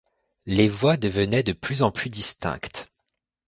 Les voix devenaient de plus en plus distinctes.